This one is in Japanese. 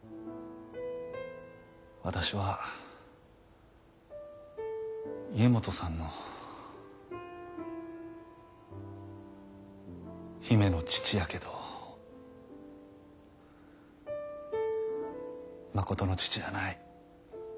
私は家基さんの姫の父やけどまことの父やない。